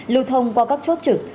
lưu thông qua các chốt trực